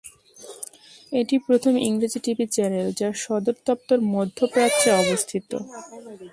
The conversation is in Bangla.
এটি প্রথম ইংরেজি টিভি চ্যানেল যার সদর দপ্তর মধ্যপ্রাচ্যে অবস্থিত।